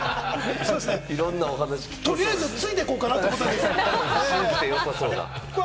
取りあえず、ついて行こうかなって思ったんですけれども。